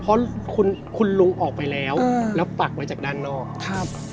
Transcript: เพราะคุณคุณลุงออกไปแล้วแล้วปักไว้จากด้านนอกครับ